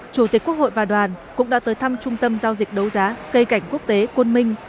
chủ tịch quốc hội và đoàn cũng đã tới thăm trung tâm giao dịch đấu giá cây cảnh quốc tế quân minh